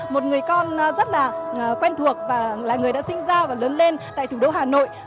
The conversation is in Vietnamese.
một người con rất là quen thuộc và là người đã sinh ra và lớn lên tại thủ đô hà nội